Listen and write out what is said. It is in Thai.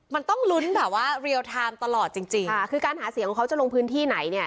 มันต้องลุ้นแบบว่าเรียลไทม์ตลอดจริงจริงค่ะคือการหาเสียงของเขาจะลงพื้นที่ไหนเนี่ย